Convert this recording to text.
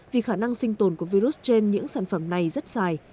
vì khả năng sinh tồn của virus trên những sản phẩm này rất dài